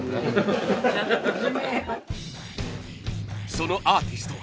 そのアーティストは。